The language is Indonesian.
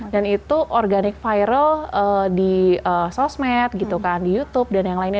dan itu organic viral di sosmed gitu kan di youtube dan yang lainnya